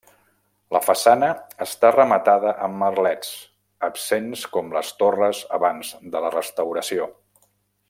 La façana està rematada amb merlets, absents com les torres abans de la restauració.